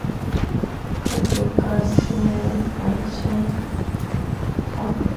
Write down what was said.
katika shina na pia kutoa nafasi ili mwanga kupenya